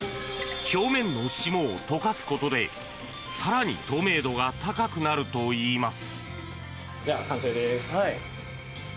表面の霜を溶かすことで更に透明度が高くなるといいます。